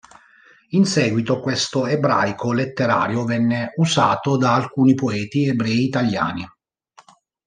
In seguito questo ebraico letterario venne usato da alcuni poeti ebrei italiani.